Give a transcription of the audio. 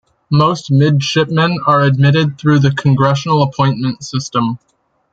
Most Midshipmen are admitted through the congressional appointment system.